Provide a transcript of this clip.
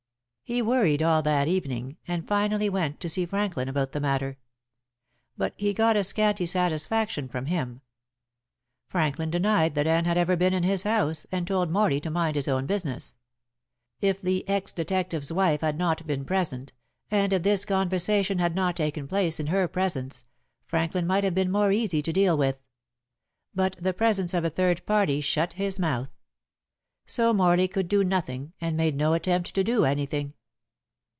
He worried all that evening, and finally went to see Franklin about the matter. But he got scanty satisfaction from him. Franklin denied that Anne had ever been in his house, and told Morley to mind his own business. If the ex detective's wife had not been present, and if this conversation had not taken place in her presence, Franklin might have been more easy to deal with. But the presence of a third party shut his mouth. So Morley could do nothing, and made no attempt to do anything.